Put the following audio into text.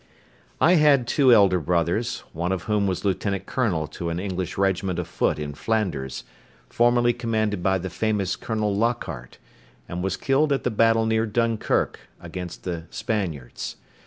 I had two elder brothers, one of whom was lieutenant colonel to an English regiment of foot in Flanders, formerly commanded by the famous Colonel Lockhart, and was killed at the battle near Dunkirk against the Spaniards.